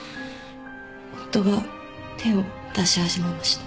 夫が手を出し始めました。